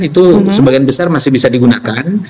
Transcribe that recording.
itu sebagian besar masih bisa digunakan